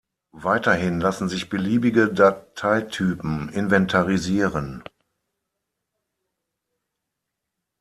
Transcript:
Weiterhin lassen sich beliebige Dateitypen inventarisieren.